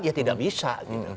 ya tidak bisa